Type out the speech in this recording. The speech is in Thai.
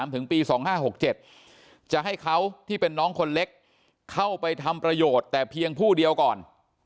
ถึงปี๒๕๖๗จะให้เขาที่เป็นน้องคนเล็กเข้าไปทำประโยชน์แต่เพียงผู้เดียวก่อน